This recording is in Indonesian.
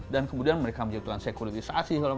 dan kemudian mereka menjadikan sekuritisasi